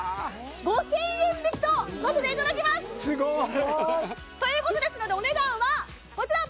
５０００円引きとさせていただきますすごい！ということですのでお値段はこちら！